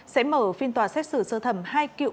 sẽ mở phiên tòa xét xử sơ thẩm hai cựu xét xử